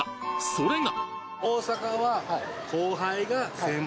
それが！